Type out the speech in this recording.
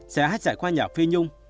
sẽ hát trải qua nhà phi nhung